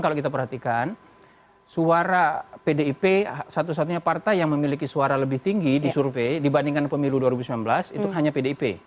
kalau kita perhatikan suara pdip satu satunya partai yang memiliki suara lebih tinggi di survei dibandingkan pemilu dua ribu sembilan belas itu hanya pdip